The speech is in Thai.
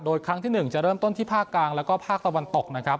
โดยครั้งที่๑จะเริ่มต้นที่ภาคกลางแล้วก็ภาคตะวันตกนะครับ